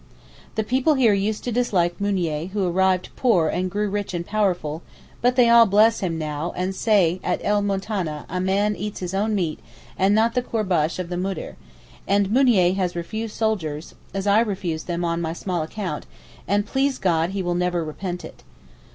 The people here used to dislike Mounier who arrived poor and grew rich and powerful, but they all bless him now and say at El Moutaneh a man eats his own meat and not the courbash of the Moudir—and Mounier has refused soldiers (as I refused them on my small account) and 'Please God,' he will never repent it.